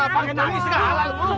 panggil nyari sekali